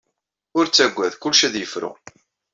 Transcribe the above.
Ur ttagad, kullec ad yefru.